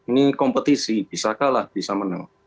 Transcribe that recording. ini kompetisi bisa kalah bisa menang